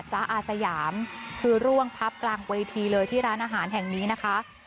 อาสยามคือร่วงพับกลางเวทีเลยที่ร้านอาหารแห่งนี้นะคะ